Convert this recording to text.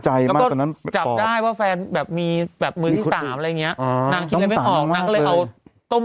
อกหากแล้วก็จับได้ว่าแฟนแบบมีคุ้นต่้ำอะไรไงนางนักนิดไนมากนางก็เลยเอาต้ม